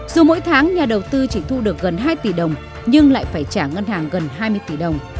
dù mỗi tháng nhà đầu tư chỉ thu được gần hai tỷ đồng nhưng lại phải trả ngân hàng gần hai mươi tỷ đồng